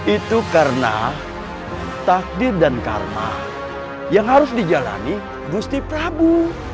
itu karena takdir dan karma yang harus dijalani gusti prabu